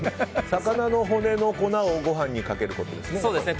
魚の骨の粉をご飯にかけることですね。